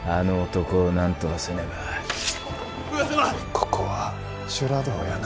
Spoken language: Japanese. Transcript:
ここは修羅道やな。